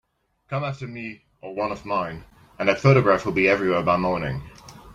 Come after me or one of mine, and that photograph will be everywhere by morning.